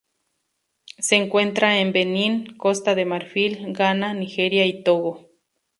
Se encuentra en Benín, Costa de Marfil, Ghana, Nigeria, y Togo.